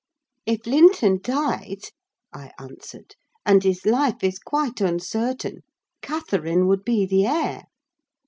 "If Linton died," I answered, "and his life is quite uncertain, Catherine would be the heir."